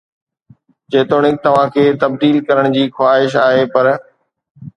جيتوڻيڪ توهان کي تبديل ڪرڻ جي خواهش آهي، پر